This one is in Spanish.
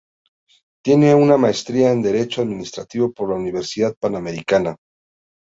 Tiene una maestría en Derecho Administrativo por la Universidad Panamericana.